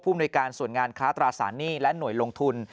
มนุยการส่วนงานค้าตราสารหนี้และหน่วยลงทุน